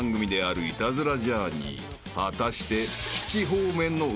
［果たして］